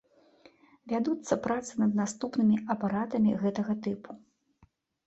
Вядуцца працы над наступнымі апаратамі гэтага тыпу.